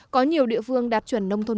có nhiều địa phương đạt chuẩn nông thôn